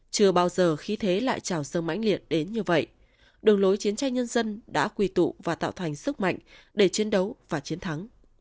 chưa bao giờ khí thế lại trào sơn mãnh liệt đến như vậy đường lối chiến tranh nhân dân đã quy tụ và tạo thành sức mạnh để chiến đấu và chiến thắng